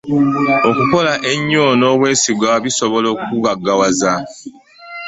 Okukola ennyo n'obwesigwa bisobola okukugaggawaza.